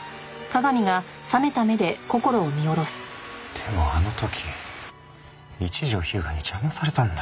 でもあの時一条彪牙に邪魔されたんだ。